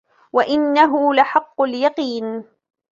وَإِنَّهُ لَحَقُّ الْيَقِينِ